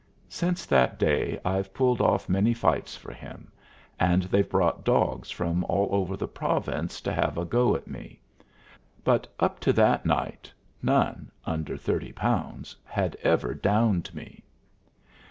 Since that day I've pulled off many fights for him, and they've brought dogs from all over the province to have a go at me; but up to that night none, under thirty pounds, had ever downed me.